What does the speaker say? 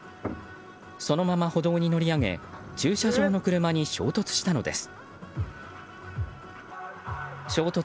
そのまま歩道に乗り上げ駐車場の車に衝突したのです。